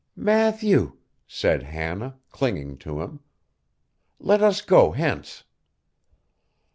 'Matthew,' said Hannah, clinging to him, 'let us go hence!